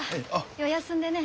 よう休んでね。